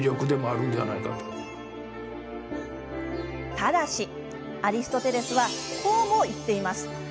ただし、アリストテレスはこうも言っています。